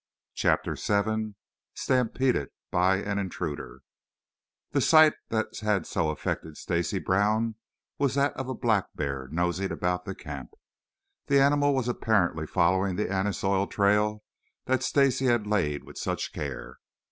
CHAPTER VII STAMPEDED BY AN INTRUDER The sight that had so affected Stacy Brown was that of a black bear nosing about the camp. The animal was apparently following the anise oil trail that Stacy had laid with such care.